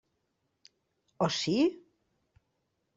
O sí?